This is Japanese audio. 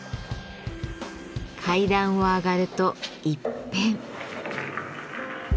階段を上がると一変。